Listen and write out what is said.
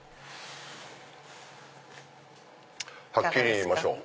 はっきり言いましょう。